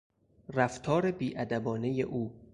رفتار بیادبانهی او